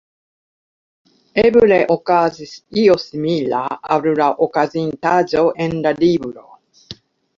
Eble okazis io simila al la okazintaĵo en la libro.